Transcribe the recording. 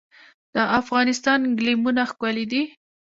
د افغانستان ګلیمونه ښکلي دي